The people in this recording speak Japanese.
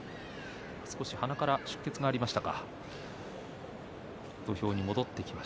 少し鼻から出血がありました。